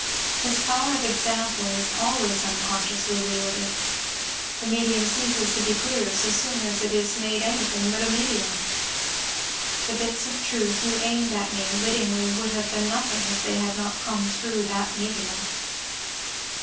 This power of example is always unconsciously wielded; the medium ceases to be clear so soon as it is made anything but a medium. The bits of truth you aimed at me wittingly would have been nothing if they had not come through that medium."